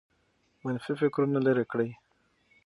منفي فکرونه لیرې کړئ.